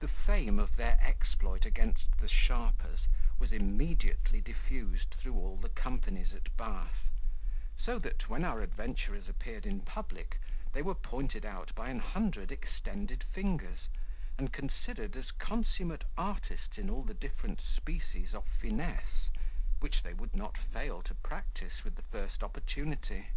The fame of their exploit against the sharpers was immediately diffused through all the companies at Bath; so that, when our adventurers appeared in public, they were pointed out by an hundred extended fingers, and considered as consummate artists in all the different species of finesse, which they would not fail to practise with the first opportunity.